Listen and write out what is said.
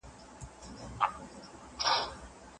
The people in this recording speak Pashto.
د تیارو اجاره دار دی د رڼا په جنګ وتلی